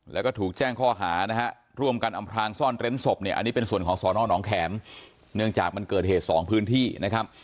แล้วก็ถูกแจ้งข้อหานะฮะร่วมกันอำพลางซ่อนเร้นศพเนี่ยอันนี้เป็นส่วนของสอนอนองแข็มเนื่องจากมันเกิดเหตุสองพื้นที่นะครับ